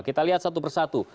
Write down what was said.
kita lihat satu persatu